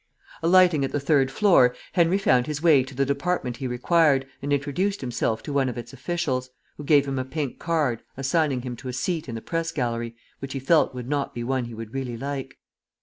Alighting at the third floor, Henry found his way to the department he required and introduced himself to one of its officials, who gave him a pink card assigning him to a seat in the press gallery, which he felt would not be one he would really like.